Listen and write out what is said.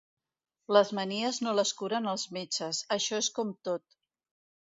Les manies no les curen els metges, això és com tot.